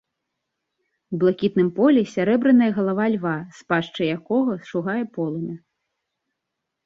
У блакітным полі сярэбраная галава льва, з пашчы якога шугае полымя.